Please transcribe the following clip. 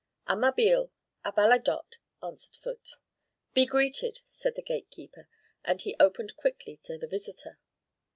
"Amabiel, Abalidot," answered Phut. "Be greeted," said the gatekeeper; and he opened quickly to the visitor.